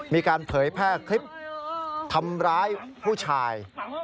เผยแพร่คลิปทำร้ายผู้ชาย